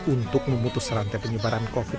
untuk memutus rantai penyebaran covid sembilan belas